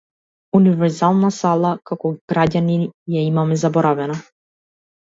Универзална сала како граѓани ја имаме заборавено.